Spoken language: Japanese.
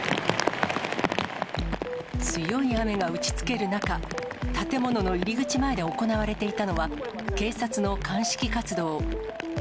強い雨が打ちつける中、建物の入り口前で行われていたのは、警察の鑑識活動。